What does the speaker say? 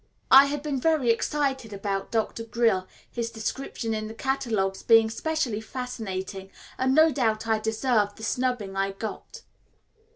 I had been very excited about Dr. Grill, his description in the catalogues being specially fascinating, and no doubt I deserved the snubbing I got.